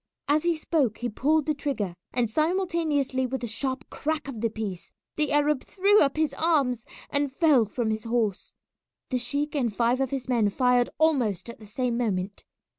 As he spoke he pulled the trigger, and simultaneously with the sharp crack of the piece the Arab threw up his arms and fell from his horse. The sheik and five of his men fired almost at the same moment.